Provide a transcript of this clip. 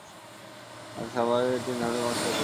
মার্কিন সামোয়ায় তিন ধরনের কর্মসংস্থান প্রচলিত।